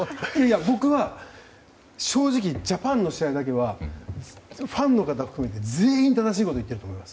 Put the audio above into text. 僕は、正直ジャパンの試合だけはファンの方含めて全員正しいこと言っていると思います。